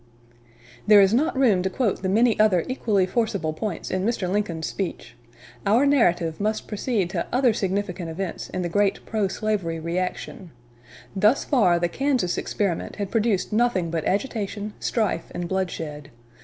There is not room to quote the many other equally forcible points in Mr. Lincoln's speech. Our narrative must proceed to other significant events in the great pro slavery reaction. Thus far the Kansas experiment had produced nothing but agitation, strife, and bloodshed.